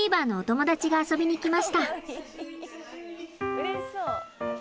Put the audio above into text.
うれしそう！